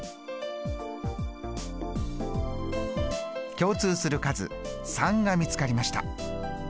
共通する数３が見つかりました。